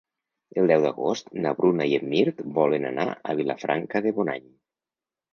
El deu d'agost na Bruna i en Mirt volen anar a Vilafranca de Bonany.